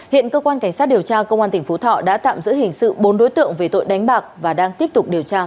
hiện cơ quan cảnh sát điều tra công an tỉnh phú thọ đã tạm giữ hình sự bốn đối tượng về tội đánh bạc và đang tiếp tục điều tra